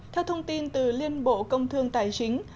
theo thông tin từ liên bộ công thương tài chính